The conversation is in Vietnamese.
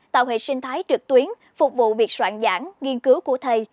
tạo hệ sinh thái trực tuyến phục vụ việc soạn giảng nghiên cứu của thầy